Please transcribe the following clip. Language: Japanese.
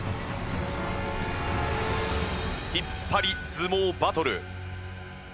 引っ張り相撲バトル。